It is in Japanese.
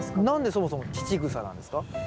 何でそもそも乳草なんですか？